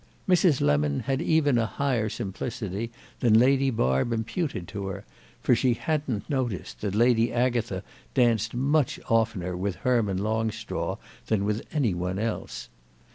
Mrs. Lemon had even a higher simplicity than Lady Barb imputed to her; for she hadn't noticed that Lady Agatha danced much oftener with Herman Longstraw than with any one else.